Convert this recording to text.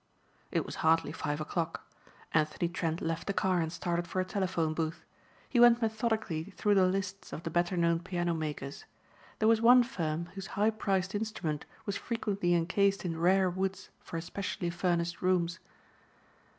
It was hardly five o'clock. Anthony Trent left the car and started for a telephone booth. He went methodically through the lists of the better known piano makers. There was one firm whose high priced instrument was frequently encased in rare woods for specially furnished rooms.